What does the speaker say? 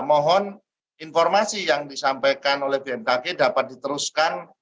mohon informasi yang disampaikan oleh bmkg dapat diteruskan